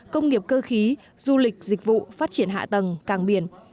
công nghiệp cơ khí du lịch dịch vụ phát triển hạ tầng cảng biển